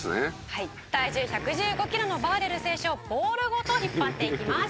「はい」「体重１１５キロのバーレル選手をボールごと引っ張っていきます」